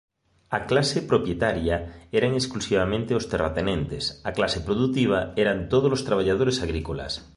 A clase "Propietaria" eran exclusivamente os terratenentes; a clase "Produtiva" eran tódolos traballadores agrícolas.